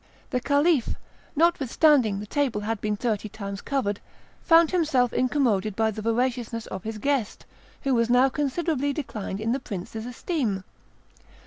The Caliph, notwithstanding the table had been thirty times covered, found himself incommoded by the voraciousness of his guest, who was now considerably declined in the prince's esteem.